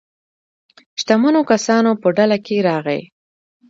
شتمنو کسانو په ډله کې راغی.